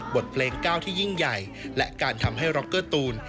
บทเพลงก้าวที่ยิ่งใหญ่และการทำให้ร็อกเกอร์ตูน